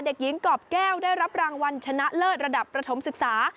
เด็กหญิงกรอบแก้วได้รับรางวัลชนะเลิศระดับประถมศึกษา